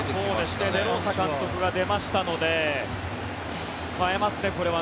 デローサ監督が出ましたので、代えますね。